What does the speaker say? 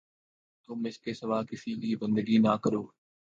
تم اس کے سوا کسی کی بندگی نہ کرو